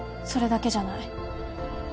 それだけじゃない。